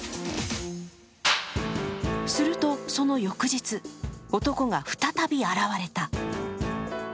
するとその翌日、男が再び現れた。